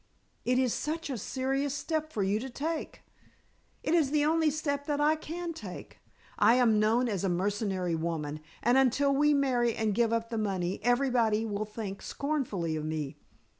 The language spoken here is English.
"It is such a serious step for you to take." "It is the only step that I can take. I am known as a mercenary woman, and until we marry and give up the money, everybody will think scornfully of me.